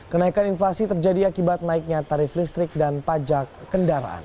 kenaikan inflasi terjadi akibat naiknya tarif listrik dan pajak kendaraan